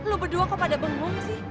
lo berdua kok pada benggung sih